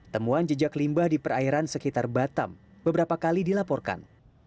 temuan jejak limbah di perairan sekitar batam beberapa kali dilaporkan